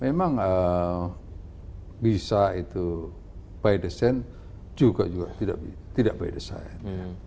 memang bisa itu by design juga juga tidak by design